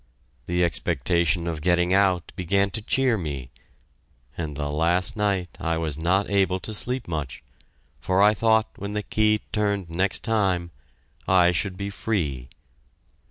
The expectation of getting out began to cheer me and the last night I was not able to sleep much, for I thought when the key turned next time I should be free!